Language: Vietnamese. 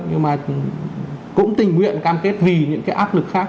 nhưng mà cũng tình nguyện cam kết vì những cái áp lực khác